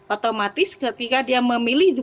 otomatis ketika dia memilih